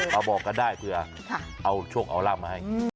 มาบอกกันได้เผื่อเอาโชคเอาราบมาให้